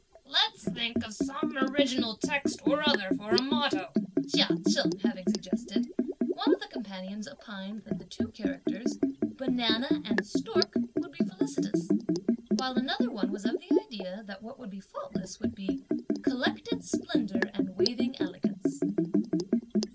"Let's think of some original text or other for a motto," Chia Cheng having suggested, one of the companions opined that the two characters: "Banana and stork" would be felicitous; while another one was of the idea that what would be faultless would be: "Collected splendour and waving elegance!"